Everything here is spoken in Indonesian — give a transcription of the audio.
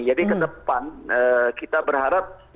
jadi ke depan kita berharap